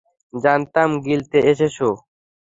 জানতাম গিলতে এসেছো।